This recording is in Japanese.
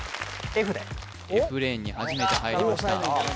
Ｆレーンに初めて入りました